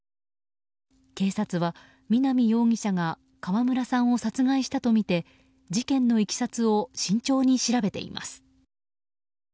警察は、南容疑者が川村さんを殺害したとみて事件のいきさつを慎重に調べています。